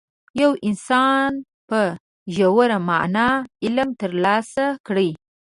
یو انسان په ژوره معنا علم ترلاسه کړي.